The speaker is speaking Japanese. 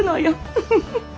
フフフッ！